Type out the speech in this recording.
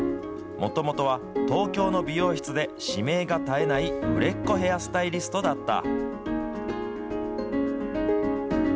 もともとは東京の美容室で指名が絶えない売れっ子ヘアスタイリストだった。